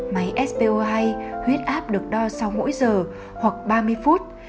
máy spo hai huyết áp được đo sau hỗi giờ hoặc ba mươi phút